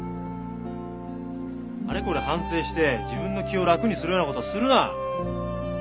あれこれ反省して自分の気を楽にするようなことをするな！